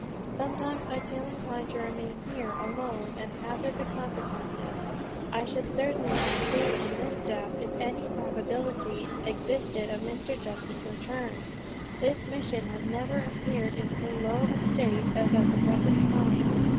Sometimes I feel inclined to remain here, alone, and hazard the consequences. I should certainly conclude on this step, if any probability existed of Mr. Judson's return. This mission has never appeared in so low a state as at the present time.